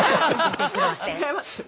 違います？